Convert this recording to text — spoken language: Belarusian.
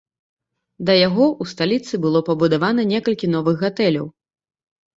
Да яго ў сталіцы было пабудавана некалькі новых гатэляў.